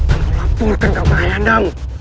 aku laporkan kau kepada ayahandamu